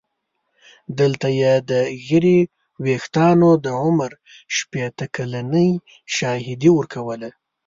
دلته یې د ږیرې ویښتانو د عمر شپېته کلنۍ شاهدي ورکوله.